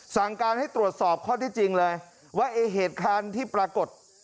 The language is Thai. สั่งการให้ตรวจสอบข้อที่จริงเลยว่าไอ้เหตุการณ์ที่ปรากฏ